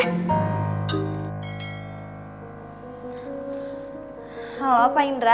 halo pak indra